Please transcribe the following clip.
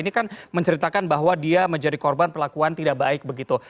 ini kan menceritakan bahwa dia menjadi korban perlakuan tidak baik begitu